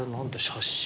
写真？